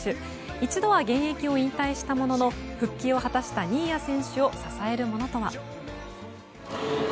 一度は現役を引退したものの復帰を果たした新谷選手を支えるものとは。